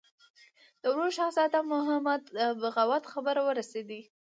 د ورور شهزاده محمود د بغاوت خبر ورسېدی.